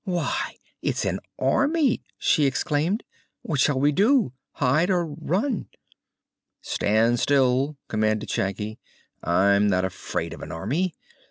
"Why, it's an army!" she exclaimed. "What shall we do, hide or run?" "Stand still," commanded Shaggy. "I'm not afraid of an army.